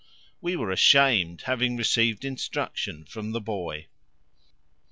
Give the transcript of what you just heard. We were ashamed, having received instruction from the boy.